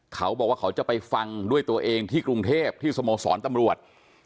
เขาบอกว่าเขาจะไปฟังด้วยตัวเองที่กรุงเทพที่สโมสรตำรวจ